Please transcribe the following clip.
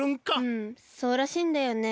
うんそうらしいんだよね。